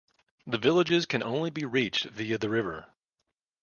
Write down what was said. The villages can only be reached via the river.